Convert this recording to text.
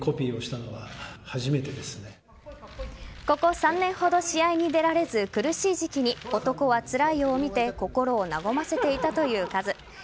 ここ３年ほど試合に出られず苦しい時期に「男はつらいよ」を見て心を和ませていたというカズ。